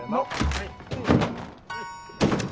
はい。